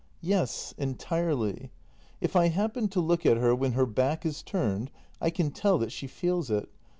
Yes, entirely. If I happen to look at her when her back is turned, I can tell that she feels it.